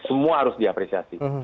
semua harus diapresiasi